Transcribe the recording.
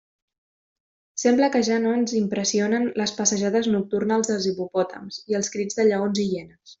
Sembla que ja no ens impressionen les passejades nocturnes dels hipopòtams i els crits de lleons i hienes.